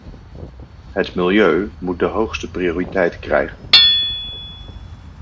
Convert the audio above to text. Het milieu moet de hoogste prioriteit krijgen.